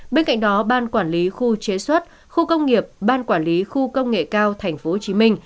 bên cạnh đó ban quản lý khu chế xuất khu công nghiệp ban quản lý khu công nghệ cao tp hcm